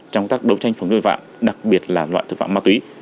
trong các đấu tranh phòng chống đối vạm đặc biệt là loại thực vạm ma túy